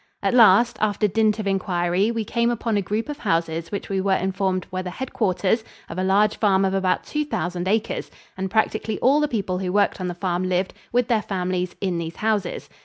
At last, after dint of inquiry, we came upon a group of houses which we were informed were the headquarters of a large farm of about two thousand acres, and practically all the people who worked on the farm lived, with their families, in these houses.